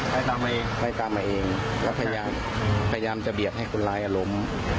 ไล่ตามมาเองไล่ตามมาเองแล้วพยายามพยายามจะเบียบให้คุณร้ายลม